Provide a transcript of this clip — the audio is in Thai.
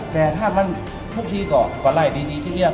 แทบมันทุกทีก็ปะไล่ดีดีที่เรียก